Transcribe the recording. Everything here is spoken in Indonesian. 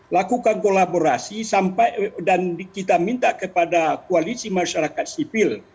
lakukan kolaborasi sampai dan kita minta kepada koalisi masyarakat sipil